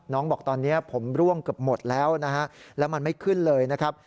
บอกตอนนี้ผมร่วงเกือบหมดแล้วนะฮะแล้วมันไม่ขึ้นเลยนะครับ